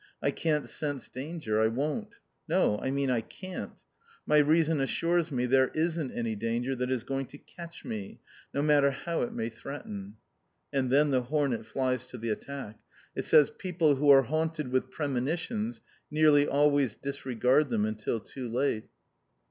I can't sense danger I won't. No, I mean I can't. My reason assures me there isn't any danger that is going to catch me, no matter how it may threaten. And then the hornet flies to the attack. "It says, 'People who are haunted with premonitions nearly always disregard them until too late.'"